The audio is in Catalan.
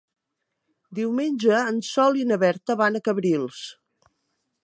Diumenge en Sol i na Berta van a Cabrils.